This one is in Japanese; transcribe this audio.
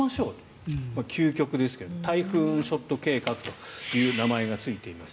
これは究極ですけれどタイフーンショット計画という名前がついています。